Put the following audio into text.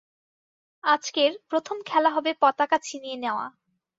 আজকের, প্রথম খেলা হবে পতাকা ছিনিয়ে নেয়া।